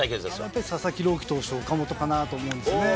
やっぱり佐々木朗希投手と岡本かなと思うんですね。